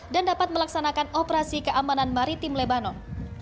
dan dapat melaksanakan operasi keamanan maritim lebanon